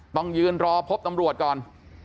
ต้องยืนรอพบตำรวจก่อน